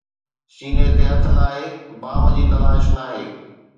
سيني تي هٿ ناهي، بام جي تلاش ناهي